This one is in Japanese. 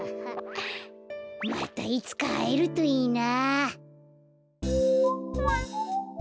またいつかはえるといいな。